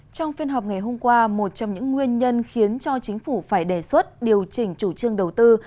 trong phiên họp ngày hôm qua một trong những nguyên nhân khiến cho chính phủ phải đề xuất điều chỉnh chủ trương đầu tư